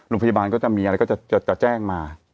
โรงพยาบาลก็จะมีอะไรก็จะแจ้งมา